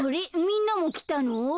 みんなもきたの？